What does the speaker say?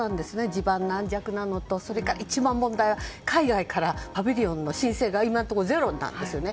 地盤軟弱なのと、一番問題なのは海外からのパビリオンの申請が今のところ、ゼロなんですよね。